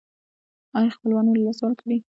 ایا خپلوان مو له لاسه ورکړي؟